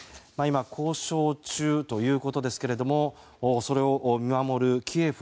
今、交渉中ということですがそれを見守る